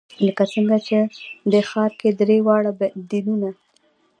لکه څنګه چې دې ښار کې درې واړه دینونه.